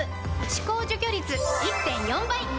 歯垢除去率 １．４ 倍！